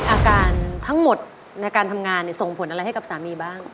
อาการทั้งหมดในการทำงานส่งผลอะไรให้กับสามีบ้าง